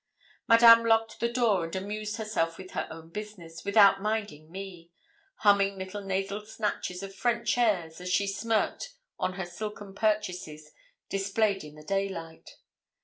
Madame locked the door, and amused herself with her own business, without minding me, humming little nasal snatches of French airs, as she smirked on her silken purchases displayed in the daylight.